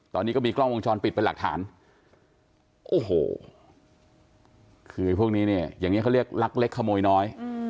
ตอนนี้ก็มีกล้องวงจรปิดเป็นหลักฐานโอ้โหคือพวกนี้เนี่ยอย่างนี้เขาเรียกลักเล็กขโมยน้อย